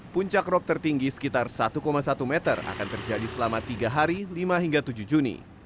puncak rop tertinggi sekitar satu satu meter akan terjadi selama tiga hari lima hingga tujuh juni